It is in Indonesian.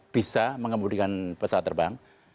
bisa mengemudikan pesawat terbang